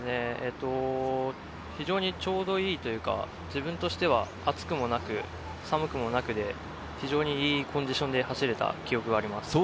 非常にちょうどいいというか、自分としては暑くもなく寒くもなくで、非常に良いコンディションで走れた記憶があります。